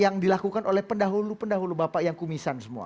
yang dilakukan oleh pendahulu pendahulu bapak yang kumisan semua